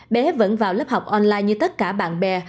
bé vẫn vào lớp học online như tất cả bạn bè